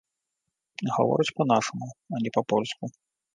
Гаворыць па-нашаму, а не па-польску.